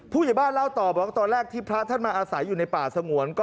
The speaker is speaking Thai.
ผู้ใหญ่บ้านเล่าต่อบอกว่าตอนแรกที่พระท่านมาอาศัยอยู่ในป่าสงวน